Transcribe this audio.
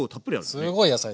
すごい野菜。